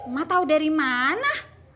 mak tahu dari mana